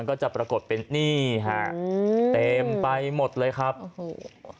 ก็จะปรากฏเป็นนี่ฮะอืมเต็มไปหมดเลยครับโอ้โห